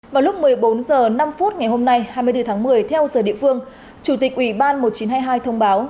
vào lúc một mươi bốn h năm ngày hôm nay hai mươi bốn tháng một mươi theo giờ địa phương chủ tịch ủy ban một nghìn chín trăm hai mươi hai thông báo